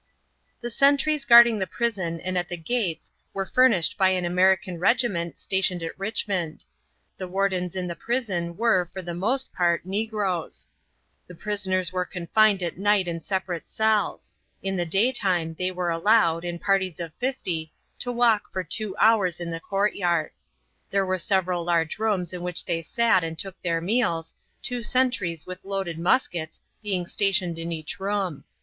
The sentries guarding the prison and at the gates were furnished by an American regiment stationed at Richmond. The wardens in the prison were, for the most part, negroes. The prisoners were confined at night in separate cells; in the daytime they were allowed, in parties of fifty, to walk for two hours in the courtyard. There were several large rooms in which they sat and took their meals, two sentries with loaded muskets being stationed in each room.